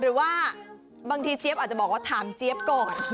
หรือว่าบางทีเจี๊ยบอาจจะบอกว่าถามเจี๊ยบก่อน